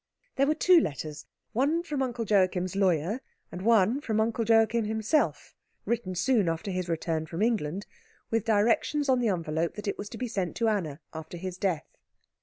There were two letters one from Uncle Joachim's lawyer, and one from Uncle Joachim himself, written soon after his return from England, with directions on the envelope that it was to be sent to Anna after his death.